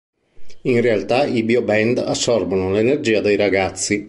In realtà, i Bio Band assorbono l'energia dei ragazzi.